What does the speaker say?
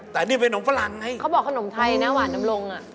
แต่นี่เป็นนมฝรั่งไงเขาบอกขนมไทยนะหวานน้ำลงอ่ะ